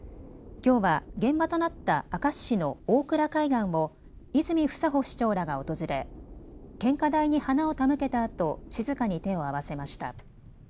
きょうは現場となった明石市の大蔵海岸を泉房穂市長らが訪れ献花台に花を手向けたあと静かに手を合わせました。